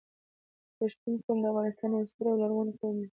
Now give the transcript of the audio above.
پښتون قوم د افغانستان یو ستر او لرغونی قوم دی